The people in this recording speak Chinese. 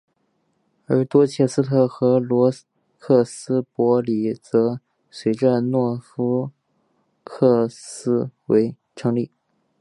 而多切斯特和罗克斯伯里则随着诺福克县成立。